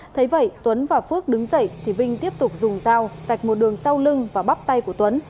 thấy vậy tuấn và phước đứng dậy thì vinh tiếp tục dùng dao sạch một đường sau lưng và bắt tay của tuấn